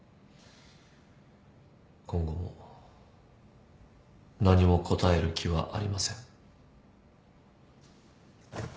今後も何も答える気はありません。